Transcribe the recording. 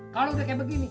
kalau udah kayak begini